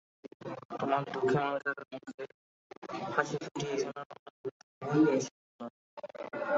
তোমার দুঃখী মানুষের মুখে হাসি ফুটিয়ে সোনার বাংলা গড়ে তুলবই ইনশাআল্লাহ।